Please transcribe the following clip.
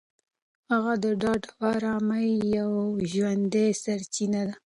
هغه د ډاډ او ارامۍ یوه ژوندۍ سرچینه ده.